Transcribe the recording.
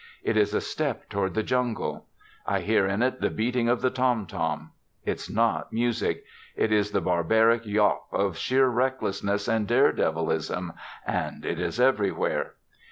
It is a step toward the jungle. I hear in it the beating of the tom tom. It is not music. It is the barbaric yawp of sheer recklessness and daredevilism, and it is everywhere.